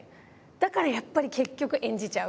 だからやっぱり結局演じちゃう。